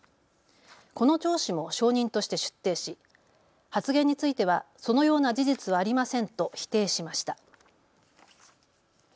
この上司も証人として出廷し発言についてはそのような事実はありませんと否定しました。